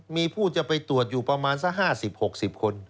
มีผู้จะไปตรวจอยู่ประมาณสัก๕๐๖๐คน